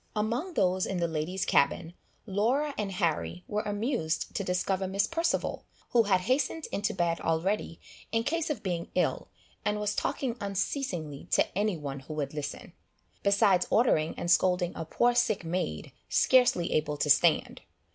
Among those in the ladies' cabin, Laura and Harry were amused to discover Miss Perceval, who had hastened into bed already, in case of being ill, and was talking unceasingly to any one who would listen, besides ordering and scolding a poor sick maid, scarcely able to stand.